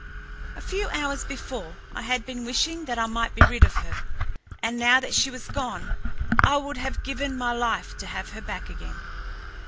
A few hours before, I had been wishing that I might be rid of her, and now that she was gone I would have given my life to have her back again.